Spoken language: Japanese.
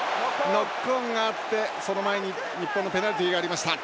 ノックオンがあって、その前に日本のペナルティーがありました。